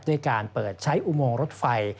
ด้วยการเปิดใช้อุโมงรถไฟ